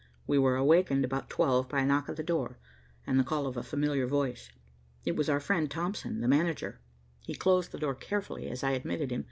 We were awakened about twelve by a knock at the door, and the call of a familiar voice. It was our friend Thompson, the manager. He closed the door carefully, as I admitted him.